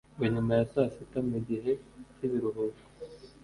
noga nyuma ya saa sita mugihe cyibiruhuko